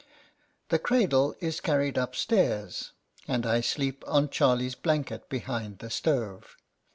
The cradle is carried upstairs, and I sleep on Charlie's blanket behind the stove.